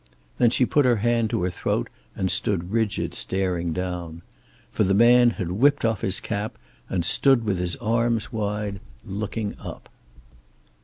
Then she put her hand to her throat and stood rigid, staring down. For the man had whipped off his cap and stood with his arms wide, looking up.